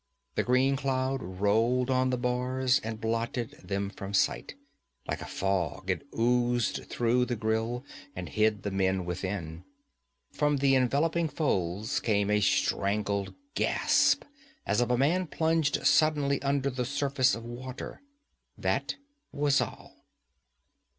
The green cloud rolled on the bars and blotted them from sight; like a fog it oozed through the grille and hid the men within. From the enveloping folds came a strangled gasp, as of a man plunged suddenly under the surface of water. That was all.